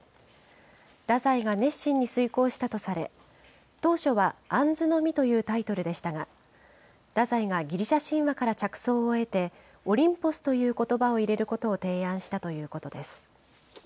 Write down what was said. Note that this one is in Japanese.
太宰が熱心に推こうしたとされ、当初は、杏の実というタイトルでしたが、太宰がギリシャ神話から着想を得て、オリンポスということばを入れることを提案したということです。